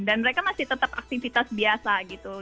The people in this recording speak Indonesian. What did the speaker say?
dan mereka masih tetap aktivitas biasa gitu